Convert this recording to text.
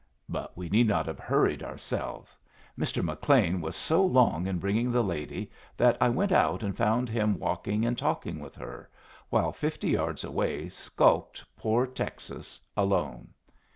But we need not have hurried ourselves. Mr. McLean was so long in bringing the lady that I went out and found him walking and talking with her, while fifty yards away skulked poor Texas, alone.